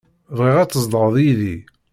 Bɣiɣ ad tzedɣeḍ yid-i